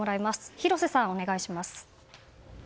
広瀬さん、お願いします。